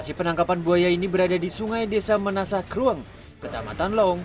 sebenarnya bukan tempatnya butaknya